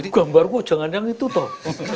gambar gua jangan yang itu toh